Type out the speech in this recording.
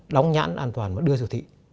đóng nhãn an toàn và đưa siêu thị